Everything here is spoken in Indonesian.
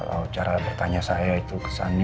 kalau cara bertanya saya itu kesannya